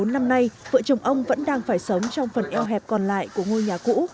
bốn năm nay vợ chồng ông vẫn đang phải sống trong phần eo hẹp còn lại của ngôi nhà cũ